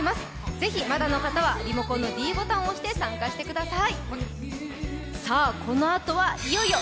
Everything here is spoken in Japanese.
ぜひ、まだの方はリモコンのｄボタンを押して参加してください。